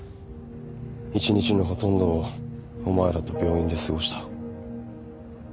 一日のほとんどをお前らと病院で過ごした。